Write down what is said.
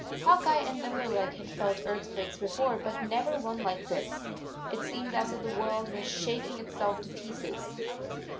Hawk Eye and Limberleg had felt earth quakes before, but never one like this. It seemed as if the world were shaking itself to pieces.